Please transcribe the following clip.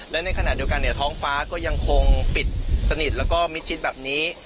และในขณะเดียวกันเนี่ยท้องฟ้าก็ยังคงปิดสนิทแล้วก็มิดชิดแบบนี้